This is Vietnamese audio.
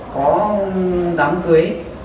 có đám cưới